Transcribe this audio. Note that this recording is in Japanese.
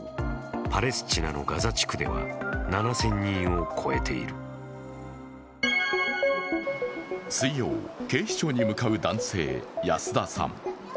パレスチナのガザ地区では７０００人を超えている水曜、警視庁に向かう男性、安田さん。